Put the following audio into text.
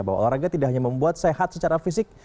bahwa olahraga tidak hanya membuat sehat secara fisik